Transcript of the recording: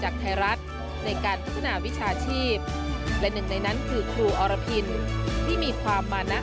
ไทยรัฐในการพัฒนาวิชาชีพและหนึ่งในนั้นคือครูอรพินที่มีความมานะ